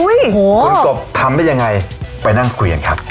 คุณกบทำได้ยังไงไปนั่งคุยกันครับ